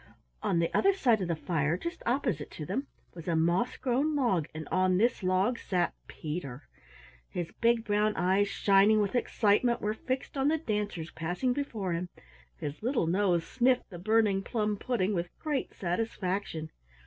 On the other side of the fire, just opposite to them, was a moss grown log, and on this log sat Peter. His big brown eyes, shining with excitement, were fixed on the dancers passing before him, his little nose sniffed the burning plum pudding with great satisfaction.